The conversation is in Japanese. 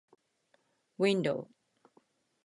window